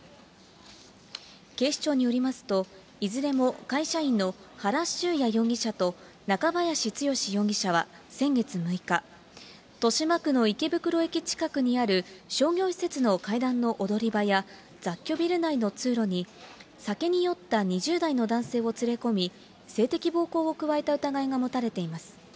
警視庁によりますと、いずれも会社員の原修也容疑者と、中林強容疑者は先月６日、豊島区の池袋駅近くにある商業施設の階段の踊り場や雑居ビル内の通路に、酒に酔った２０代の男性を連れ込み、性的暴行を加えた疑いが持たれています。